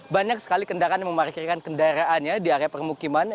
banyak sekali kendaraan yang memarkirkan kendaraannya di area permukiman